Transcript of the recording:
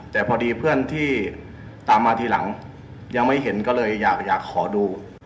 แต่พอดีเพื่อนที่ตามมาทีหลังยังไม่เห็นก็เลยอยากขอดู